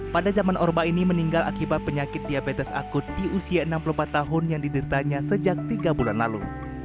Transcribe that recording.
pada zaman orba ini meninggal akibat penyakit diabetes akut di usia enam puluh empat tahun yang dideritanya sejak tiga bulan lalu